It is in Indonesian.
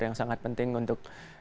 yang sangat penting untuk